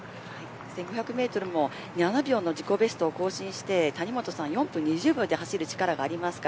１５００メートルも７秒の自己ベストを更新して谷本さんは４分２０秒で走る力があります。